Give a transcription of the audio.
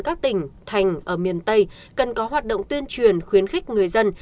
các tỉnh thành ở miền tây cần có hoạt động tuyên truyền khuyến khích người dân